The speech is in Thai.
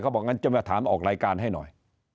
บอกงั้นจะมาถามออกรายการให้หน่อย